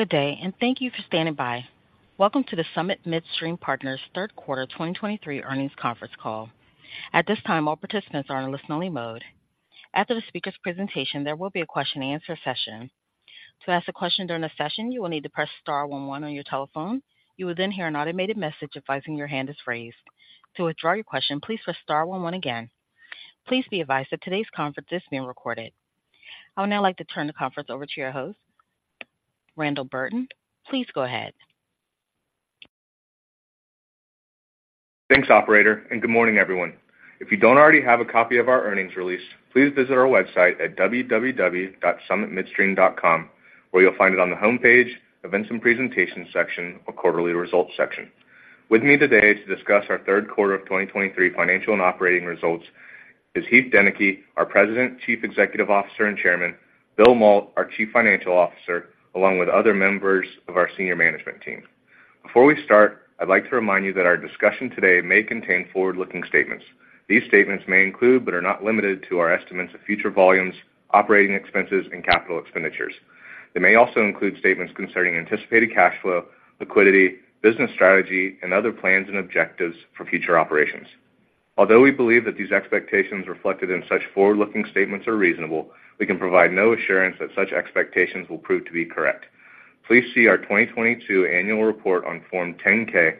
Good day, and thank you for standing by. Welcome to the Summit Midstream Partners third quarter 2023 earnings conference call. At this time, all participants are in a listen-only mode. After the speaker's presentation, there will be a question-and-answer session. To ask a question during the session, you will need to press star one one on your telephone. You will then hear an automated message advising your hand is raised. To withdraw your question, please press star one one again. Please be advised that today's conference is being recorded. I would now like to turn the conference over to your host, Randall Burton. Please go ahead. Thanks, operator, and good morning, everyone. If you don't already have a copy of our earnings release, please visit our website at www.summitmidstream.com, where you'll find it on the homepage, Events and Presentations section, or Quarterly Results section. With me today to discuss our third quarter of 2023 financial and operating results is Heath Deneke, our President, Chief Executive Officer, and Chairman, Bill Mault, our Chief Financial Officer, along with other members of our senior management team. Before we start, I'd like to remind you that our discussion today may contain forward-looking statements. These statements may include, but are not limited to, our estimates of future volumes, operating expenses, and capital expenditures. They may also include statements concerning anticipated cash flow, liquidity, business strategy, and other plans and objectives for future operations. Although we believe that these expectations reflected in such forward-looking statements are reasonable, we can provide no assurance that such expectations will prove to be correct. Please see our 2022 Annual Report on Form 10-K,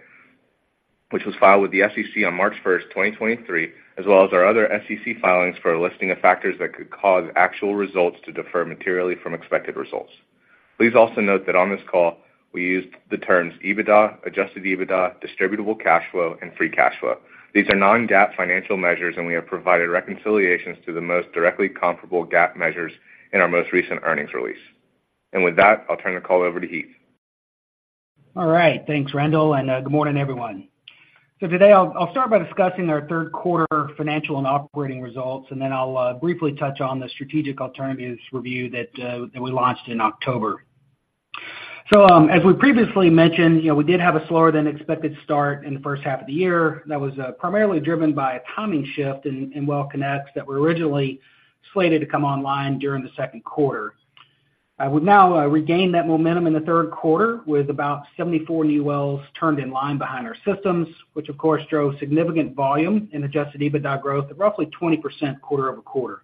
which was filed with the SEC on March 1, 2023, as well as our other SEC filings, for a listing of factors that could cause actual results to differ materially from expected results. Please also note that on this call, we used the terms EBITDA, adjusted EBITDA, distributable cash flow, and free cash flow. These are non-GAAP financial measures, and we have provided reconciliations to the most directly comparable GAAP measures in our most recent earnings release. And with that, I'll turn the call over to Heath. All right. Thanks, Randall, and good morning, everyone. So today I'll, I'll start by discussing our third quarter financial and operating results, and then I'll briefly touch on the strategic alternatives review that, that we launched in October. So, as we previously mentioned, you know, we did have a slower than expected start in the first half of the year. That was primarily driven by a timing shift in well connects that were originally slated to come online during the second quarter. We've now regained that momentum in the third quarter, with about 74 new wells turned in line behind our systems, which of course drove significant volume in Adjusted EBITDA growth of roughly 20% quarter-over-quarter.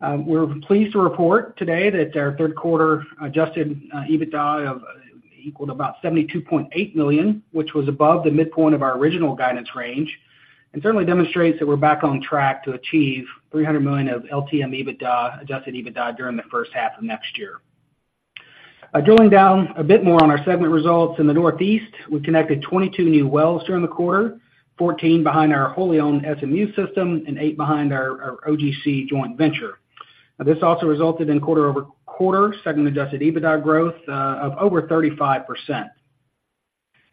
We're pleased to report today that our third quarter adjusted EBITDA equaled about $72.8 million, which was above the midpoint of our original guidance range, and certainly demonstrates that we're back on track to achieve $300 million of LTM adjusted EBITDA during the first half of next year. Drilling down a bit more on our segment results in the Northeast, we connected 22 new wells during the quarter, 14 behind our wholly owned SMU system and 8 behind our OGC joint venture. This also resulted in quarter-over-quarter segment adjusted EBITDA growth of over 35%.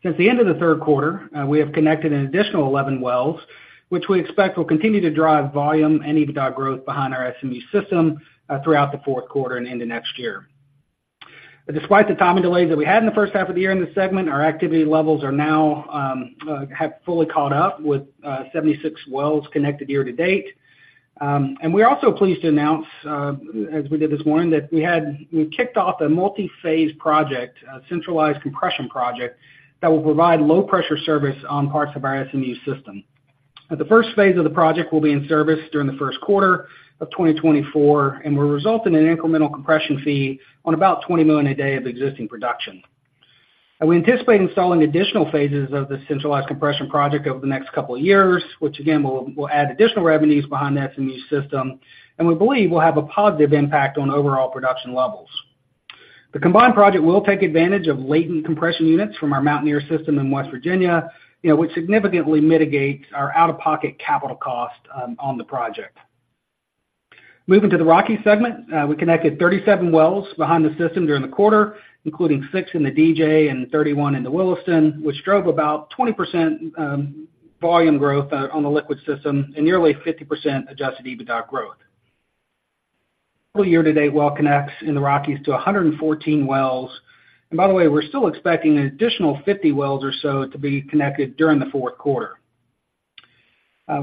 Since the end of the third quarter, we have connected an additional 11 wells, which we expect will continue to drive volume and EBITDA growth behind our SMU system throughout the fourth quarter and into next year. Despite the timing delays that we had in the first half of the year in this segment, our activity levels are now have fully caught up with 76 wells connected year to date. And we're also pleased to announce, as we did this morning, that we kicked off a multi-phase project, a centralized compression project, that will provide low-pressure service on parts of our SMU system. The first phase of the project will be in service during the first quarter of 2024 and will result in an incremental compression fee on about 20 million a day of existing production. And we anticipate installing additional phases of the centralized compression project over the next couple of years, which again will add additional revenues behind the SMU system, and we believe will have a positive impact on overall production levels. The combined project will take advantage of latent compression units from our Mountaineer system in West Virginia, which significantly mitigates our out-of-pocket capital cost on the project. Moving to the Rockies segment, we connected 37 wells behind the system during the quarter, including six in the DJ and 31 in the Williston, which drove about 20% volume growth on the liquids system and nearly 50% Adjusted EBITDA growth. Full year-to-date, well connects in the Rockies to 114 wells. And by the way, we're still expecting an additional 50 wells or so to be connected during the fourth quarter.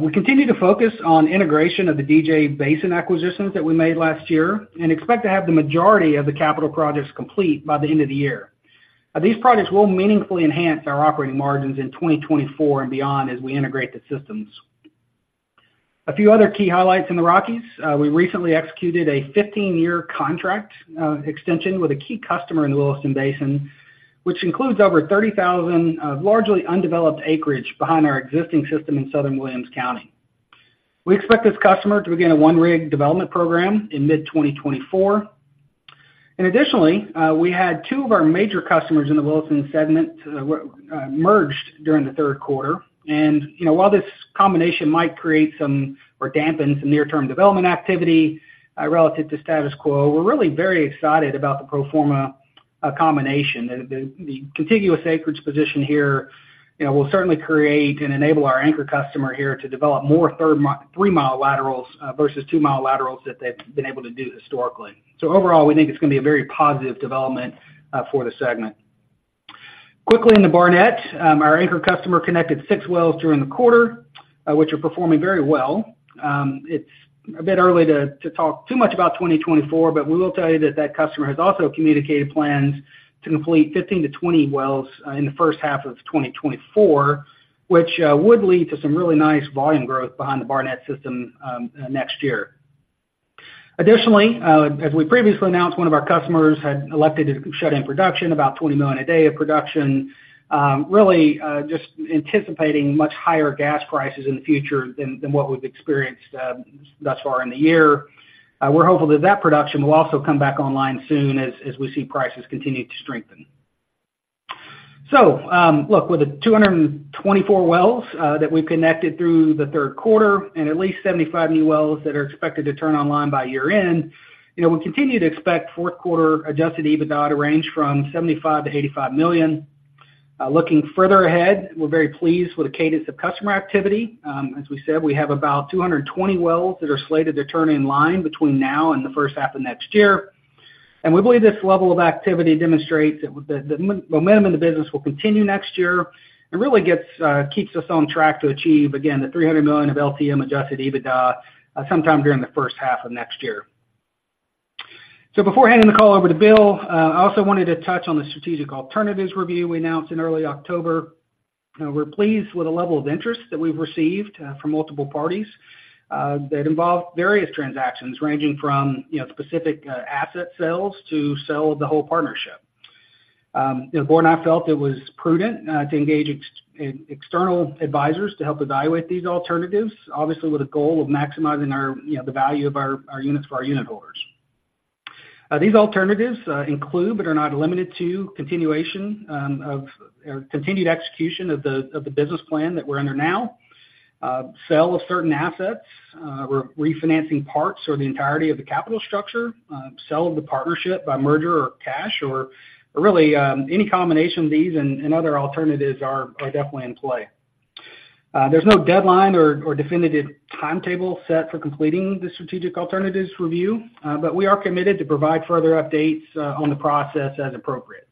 We continue to focus on integration of the DJ Basin acquisitions that we made last year and expect to have the majority of the capital projects complete by the end of the year. These projects will meaningfully enhance our operating margins in 2024 and beyond as we integrate the systems. A few other key highlights in the Rockies: We recently executed a 15-year contract extension with a key customer in the Williston Basin, which includes over 30,000 largely undeveloped acreage behind our existing system in southern Williams County. We expect this customer to begin a 1-rig development program in mid-2024. And additionally, we had two of our major customers in the Williston segment merged during the third quarter. And, you know, while this combination might create some or dampen some near-term development activity relative to status quo, we're really very excited about the pro forma combination. The contiguous acreage position here, you know, will certainly create and enable our anchor customer here to develop more three-mile laterals versus two-mile laterals that they've been able to do historically. So overall, we think it's going to be a very positive development for the segment. Quickly in the Barnett, our anchor customer connected 6 wells during the quarter, which are performing very well. It's a bit early to talk too much about 2024, but we will tell you that that customer has also communicated plans to complete 15-20 wells in the first half of 2024, which would lead to some really nice volume growth behind the Barnett system next year. Additionally, as we previously announced, one of our customers had elected to shut in production, about 20 million a day of production, really, just anticipating much higher gas prices in the future than, than what we've experienced, thus far in the year. We're hopeful that that production will also come back online soon as, as we see prices continue to strengthen. So, look, with the 224 wells that we've connected through the third quarter and at least 75 new wells that are expected to turn online by year-end, you know, we continue to expect fourth quarter Adjusted EBITDA to range from $75 million-$85 million. Looking further ahead, we're very pleased with the cadence of customer activity. As we said, we have about 220 wells that are slated to turn in line between now and the first half of next year. We believe this level of activity demonstrates that the momentum of the business will continue next year and really keeps us on track to achieve, again, $300 million of LTM adjusted EBITDA sometime during the first half of next year. Before handing the call over to Bill, I also wanted to touch on the strategic alternatives review we announced in early October. We're pleased with the level of interest that we've received from multiple parties that involve various transactions, ranging from, you know, specific asset sales to sale of the whole partnership. The board and I felt it was prudent to engage external advisors to help evaluate these alternatives, obviously, with a goal of maximizing our, you know, the value of our units for our unitholders. These alternatives include, but are not limited to continuation of continued execution of the business plan that we're under now, sale of certain assets, refinancing parts or the entirety of the capital structure, sale of the partnership by merger or cash or really any combination of these and other alternatives are definitely in play. There's no deadline or definitive timetable set for completing the strategic alternatives review, but we are committed to provide further updates on the process as appropriate.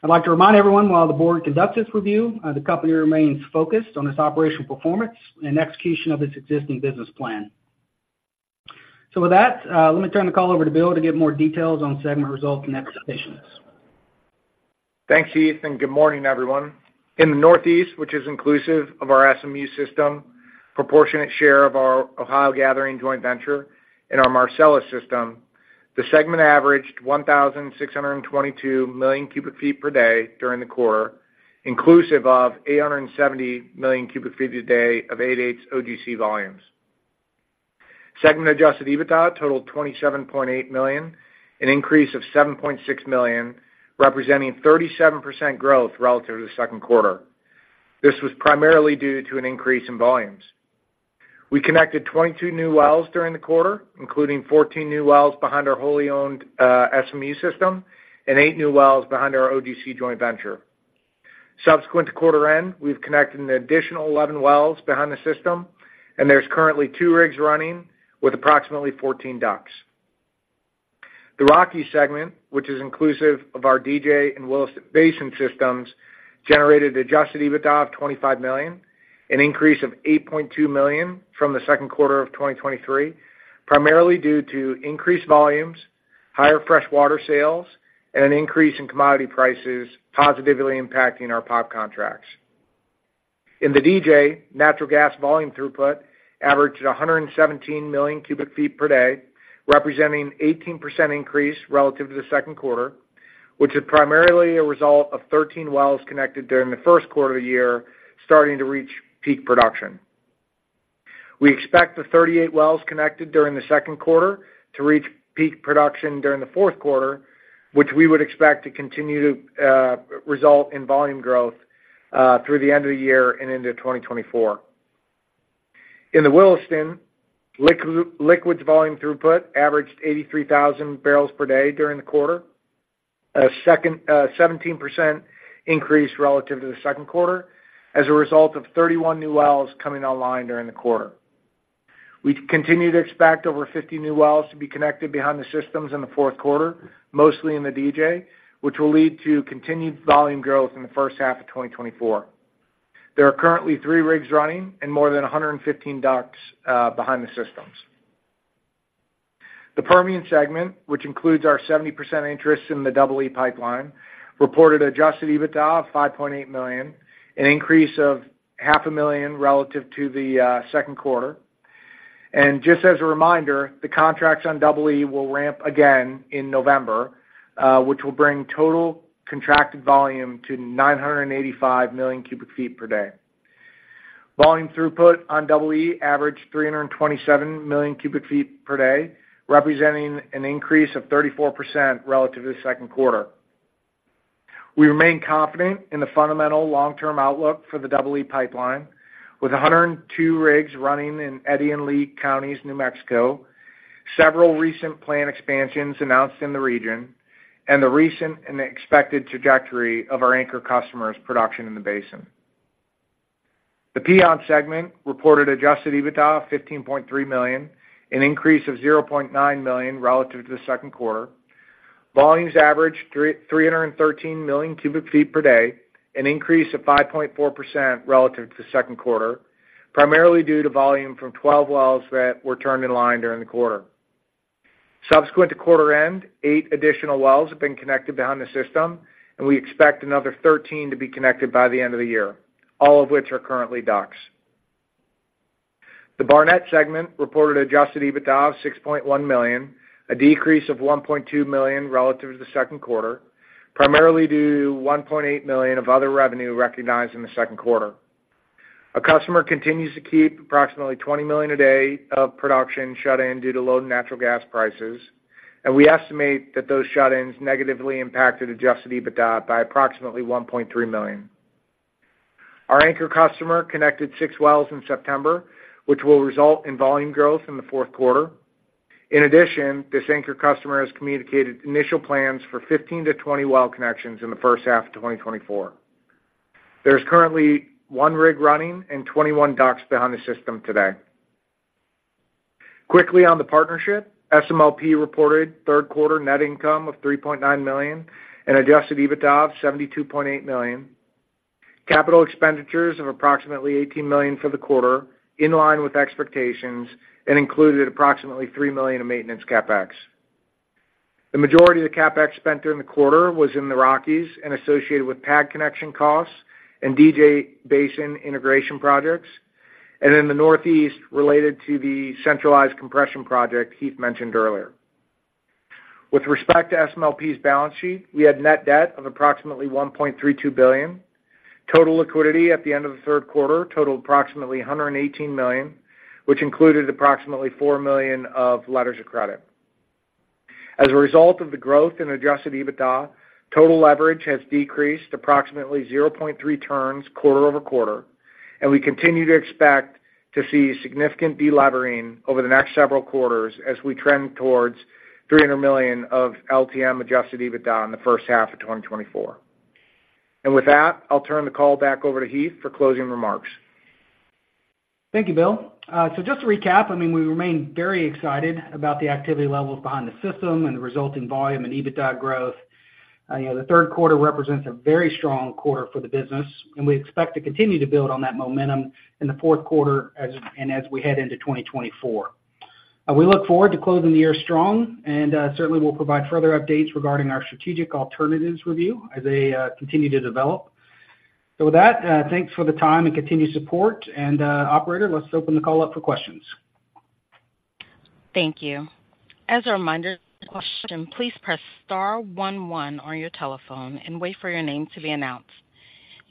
I'd like to remind everyone, while the board conducts this review, the company remains focused on its operational performance and execution of its existing business plan. So with that, let me turn the call over to Bill to give more details on segment results and expectations. Thanks, Heath, and good morning, everyone. In the Northeast, which is inclusive of our SMU system, proportionate share of our Ohio Gathering joint venture and our Marcellus system, the segment averaged 1,622 million cubic feet per day during the quarter, inclusive of 870 million cubic feet a day of 8/8ths OGC volumes. Segment Adjusted EBITDA totaled $27.8 million, an increase of $7.6 million, representing 37% growth relative to the second quarter. This was primarily due to an increase in volumes. We connected 22 new wells during the quarter, including 14 new wells behind our wholly owned SMU system and eight new wells behind our OGC joint venture. Subsequent to quarter end, we've connected an additional 11 wells behind the system, and there's currently two rigs running with approximately 14 DUCs. The Rocky segment, which is inclusive of our DJ and Williston Basin systems, generated Adjusted EBITDA of $25 million, an increase of $8.2 million from the second quarter of 2023, primarily due to increased volumes, higher freshwater sales, and an increase in commodity prices positively impacting our POP contracts. In the DJ, natural gas volume throughput averaged 117 million cubic feet per day, representing 18% increase relative to the second quarter, which is primarily a result of 13 wells connected during the first quarter of the year, starting to reach peak production. We expect the 38 wells connected during the second quarter to reach peak production during the fourth quarter, which we would expect to continue to result in volume growth through the end of the year and into 2024. In the Williston, liquids volume throughput averaged 83,000 barrels per day during the quarter, a 17% increase relative to the second quarter, as a result of 31 new wells coming online during the quarter. We continue to expect over 50 new wells to be connected behind the systems in the fourth quarter, mostly in the DJ, which will lead to continued volume growth in the first half of 2024. There are currently three rigs running and more than 115 DUCs behind the systems. The Permian segment, which includes our 70% interest in the Double E Pipeline, reported Adjusted EBITDA of $5.8 million, an increase of $0.5 million relative to the second quarter. Just as a reminder, the contracts on Double E will ramp again in November, which will bring total contracted volume to 985 million cubic feet per day. Volume throughput on Double E averaged 327 million cubic feet per day, representing an increase of 34% relative to the second quarter. We remain confident in the fundamental long-term outlook for the Double E Pipeline, with 102 rigs running in Eddy and Lea Counties, New Mexico, several recent plant expansions announced in the region, and the recent and expected trajectory of our anchor customers' production in the basin. The Piceance segment reported Adjusted EBITDA of $15.3 million, an increase of $0.9 million relative to the second quarter. Volumes averaged 313 million cubic feet per day, an increase of 5.4% relative to the second quarter, primarily due to volume from 12 wells that were turned in line during the quarter. Subsequent to quarter end, eight additional wells have been connected behind the system, and we expect another 13 to be connected by the end of the year, all of which are currently DUCs. The Barnett segment reported Adjusted EBITDA of $6.1 million, a decrease of $1.2 million relative to the second quarter, primarily due to $1.8 million of other revenue recognized in the second quarter. A customer continues to keep approximately 20 million a day of production shut in due to low natural gas prices, and we estimate that those shut-ins negatively impacted Adjusted EBITDA by approximately $1.3 million. Our anchor customer connected 6 wells in September, which will result in volume growth in the fourth quarter. In addition, this anchor customer has communicated initial plans for 15-20 well connections in the first half of 2024. There's currently one rig running and 21 DUCs behind the system today. Quickly on the partnership, SMLP reported third quarter net income of $3.9 million and adjusted EBITDA of $72.8 million. Capital expenditures of approximately $18 million for the quarter, in line with expectations, and included approximately $3 million in maintenance CapEx. The majority of the CapEx spent during the quarter was in the Rockies and associated with pad connection costs and DJ Basin integration projects, and in the Northeast, related to the centralized compression project Heath mentioned earlier. With respect to SMLP's balance sheet, we had net debt of approximately $1.32 billion. Total liquidity at the end of the third quarter totaled approximately $118 million, which included approximately $4 million of letters of credit. As a result of the growth in Adjusted EBITDA, total leverage has decreased approximately 0.3 turns quarter-over-quarter, and we continue to expect to see significant delevering over the next several quarters as we trend towards $300 million of LTM Adjusted EBITDA in the first half of 2024. With that, I'll turn the call back over to Heath for closing remarks. Thank you, Bill. So just to recap, I mean, we remain very excited about the activity levels behind the system and the resulting volume and EBITDA growth. You know, the third quarter represents a very strong quarter for the business, and we expect to continue to build on that momentum in the fourth quarter as, and as we head into 2024. We look forward to closing the year strong, and certainly we'll provide further updates regarding our strategic alternatives review as they continue to develop. So with that, thanks for the time and continued support. And operator, let's open the call up for questions. Thank you. As a reminder, to ask a question, please press star one one on your telephone and wait for your name to be announced.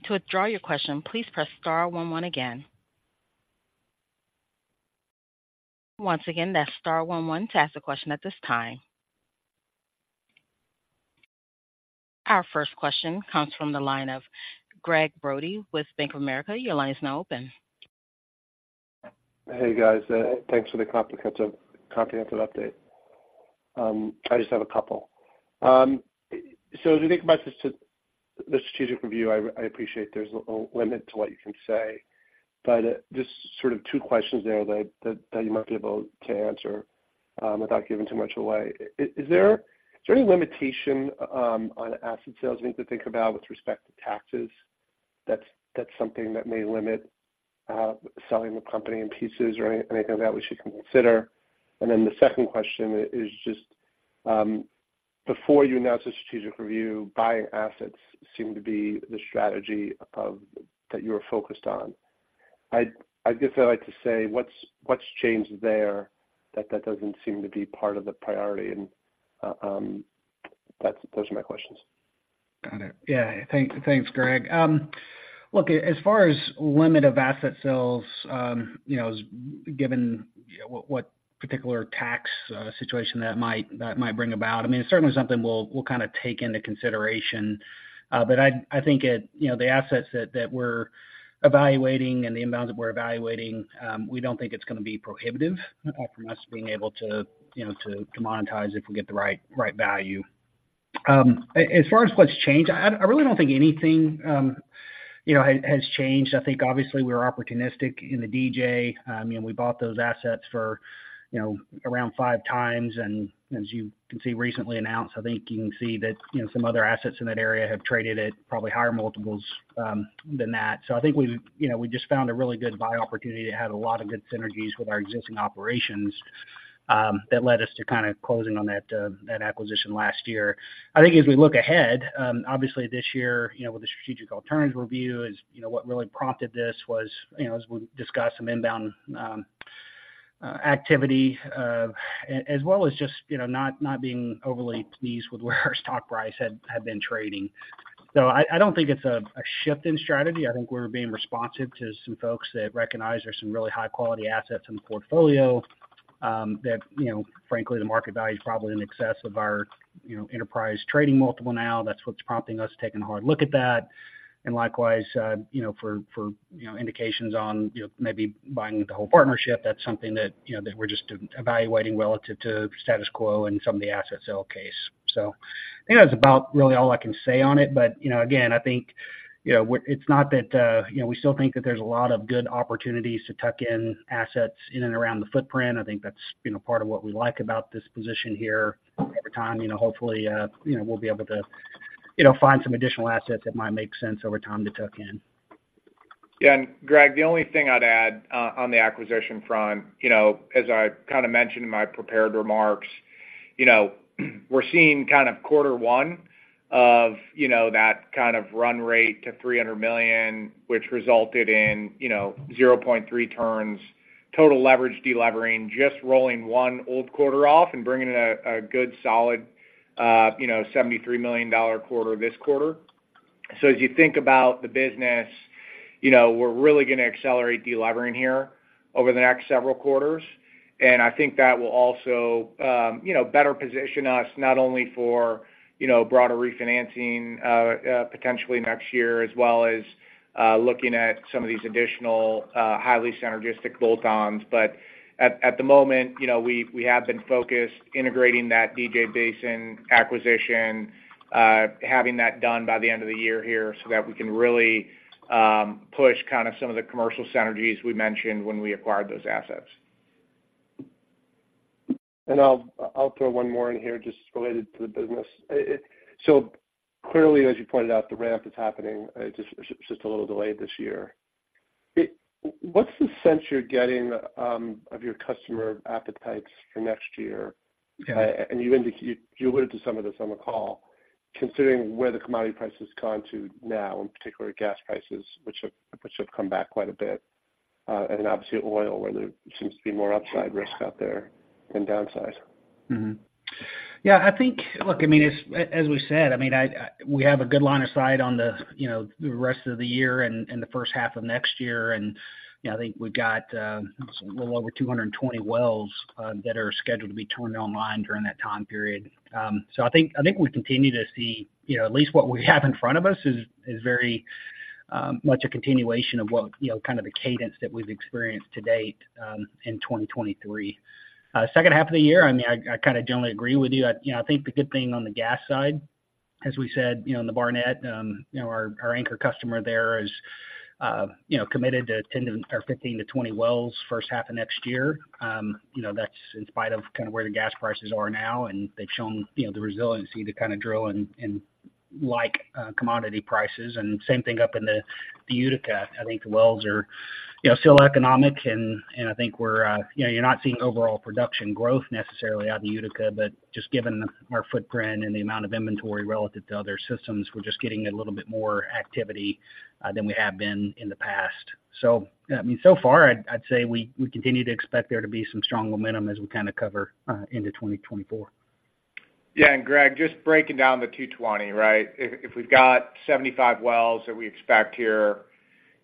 To withdraw your question, please press star one one again. Once again, that's star one one to ask a question at this time. Our first question comes from the line of Gregg Brody with Bank of America. Your line is now open. Hey, guys, thanks for the comprehensive, comprehensive update. I just have a couple. So do you think about the strategic review, I appreciate there's a limit to what you can say, but just sort of two questions there that you might be able to answer without giving too much away. Is there any limitation on asset sales we need to think about with respect to taxes? That's something that may limit selling the company in pieces or anything of that we should consider. And then the second question is just, before you announced the strategic review, buying assets seemed to be the strategy of that you were focused on. I guess I'd like to say, what's changed there that doesn't seem to be part of the priority? That's those are my questions. Got it. Yeah. Thank, thanks, Greg. Look, as far as limit of asset sales, you know, is given what particular tax situation that might, that might bring about, I mean, it's certainly something we'll, we'll kind of take into consideration. But I, I think it, you know, the assets that, that we're evaluating and the inbounds that we're evaluating, we don't think it's gonna be prohibitive from us being able to, you know, to, to monetize if we get the right, right value. As far as what's changed, I, I really don't think anything, you know, has, has changed. I think obviously we're opportunistic in the DJ. I mean, we bought those assets for, you know, around 5x, and as you can see, recently announced, I think you can see that, you know, some other assets in that area have traded at probably higher multiples than that. So I think we've, you know, we just found a really good buy opportunity. It had a lot of good synergies with our existing operations that led us to kind of closing on that, that acquisition last year. I think as we look ahead, obviously this year, you know, with the strategic alternatives review, is, you know, what really prompted this was, you know, as we discussed some inbound activity, as well as just, you know, not, not being overly pleased with where our stock price had, had been trading. So I, I don't think it's a, a shift in strategy. I think we're being responsive to some folks that recognize there's some really high-quality assets in the portfolio, that, you know, frankly, the market value is probably in excess of our, you know, enterprise trading multiple now. That's what's prompting us to take a hard look at that. And likewise, you know, for indications on, you know, maybe buying the whole partnership, that's something that, you know, that we're just evaluating relative to status quo and some of the asset sale case. So I think that's about really all I can say on it, but, you know, again, I think you know, it's not that, you know, we still think that there's a lot of good opportunities to tuck in assets in and around the footprint. I think that's, you know, part of what we like about this position here. Over time, you know, hopefully, you know, we'll be able to, you know, find some additional assets that might make sense over time to tuck in. Yeah, and Greg, the only thing I'd add on the acquisition front, you know, as I kind of mentioned in my prepared remarks, you know, we're seeing kind of quarter one of, you know, that kind of run rate to $300 million, which resulted in, you know, 0.3 turns, total leverage delevering, just rolling one old quarter off and bringing in a good solid, you know, $73 million quarter this quarter. So as you think about the business, you know, we're really gonna accelerate delevering here over the next several quarters. And I think that will also, you know, better position us not only for, you know, broader refinancing potentially next year, as well as looking at some of these additional highly synergistic bolt-ons. But at the moment, you know, we have been focused integrating that DJ Basin acquisition, having that done by the end of the year here so that we can really push kind of some of the commercial synergies we mentioned when we acquired those assets. I'll, I'll throw one more in here, just related to the business. So clearly, as you pointed out, the ramp is happening, just, it's just a little delayed this year. What's the sense you're getting, of your customer appetites for next year? And you alluded to some of this on the call, considering where the commodity price has gone to now, in particular, gas prices, which have come back quite a bit, and obviously, oil, where there seems to be more upside risk out there than downside. Yeah, I think, Look, I mean, as, as we said, I mean, I, we have a good line of sight on the, you know, the rest of the year and, and the first half of next year. And, you know, I think we've got, a little over 220 wells, that are scheduled to be turned online during that time period. So I think, I think we continue to see, you know, at least what we have in front of us is, is very, much a continuation of what, you know, kind of the cadence that we've experienced to date, in 2023. Second half of the year, I mean, I kind of generally agree with you. You know, I think the good thing on the gas side, as we said, you know, in the Barnett, you know, our, our anchor customer there is, you know, committed to 10- or 15-20 wells, first half of next year. You know, that's in spite of kind of where the gas prices are now, and they've shown, you know, the resiliency to kind of drill in, in like, commodity prices, and same thing up in the, the Utica. I think the wells are, you know, still economic, and, and I think we're, you know, you're not seeing overall production growth necessarily out of the Utica, but just given our footprint and the amount of inventory relative to other systems, we're just getting a little bit more activity than we have been in the past. I mean, so far I'd say we continue to expect there to be some strong momentum as we kind of cover into 2024. Yeah, and Greg, just breaking down the 220, right? If we've got 75 wells that we expect here,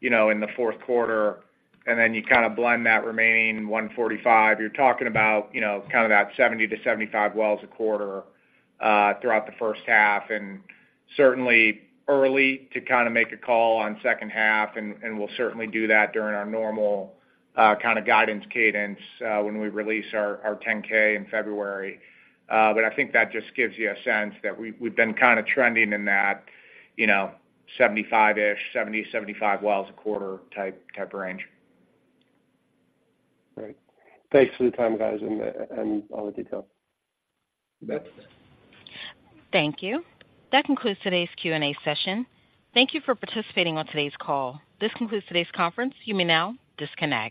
you know, in the fourth quarter, and then you kind of blend that remaining 145, you're talking about, you know, kind of that 70-75 wells a quarter throughout the first half, and certainly early to kind of make a call on second half, and we'll certainly do that during our normal kind of guidance cadence when we release our 10-K in February. But I think that just gives you a sense that we've been kind of trending in that, you know, 75-ish, 70, 75 wells a quarter type of range. Great. Thanks for the time, guys, and all the details. Thanks. Thank you. That concludes today's Q&A session. Thank you for participating on today's call. This concludes today's conference. You may now disconnect.